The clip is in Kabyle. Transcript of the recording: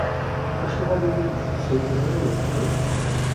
Acuɣer ur iyi-d-tessawlem ara uqbel?